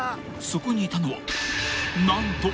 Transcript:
［そこにいたのは何と］